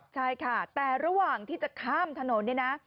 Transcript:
ใช่ค่ะแต่ระหว่างที่จะข้ามถนน